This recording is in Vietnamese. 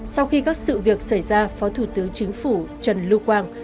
sau khi các sự việc xảy ra phó thủ tướng chính phủ trần lưu quang